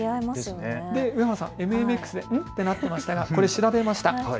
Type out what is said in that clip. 上原さん、ＭＭＸってなっていましたがこれ、調べました。